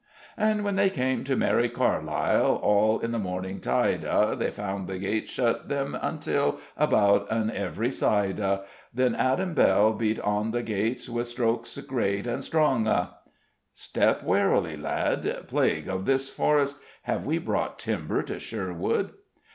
_And when they came to mery Carleile All in the mornyng tyde a, They found the gates shut them until About on every syde a._ Then Adam Bell bete on the gates With strokes great and stronge a Step warely, lad. Plague of this forest! Have we brought timber to Sherwood?